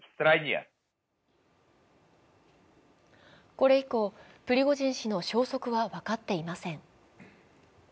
これ以降、プリゴジン氏の消息は分かっていません。